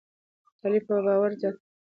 تعلیم به باور زیات کړي.